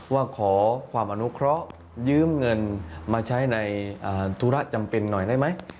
ว่าขอความอนุเคราะห์ยืมเงินมาใช้ในธุระจำเป็นหน่อยได้ไหม